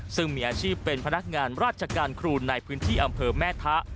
ซึ่งมีอาชีพเป็นพนักงานราชการครูในพื้นที่อำเภอแม่ทะ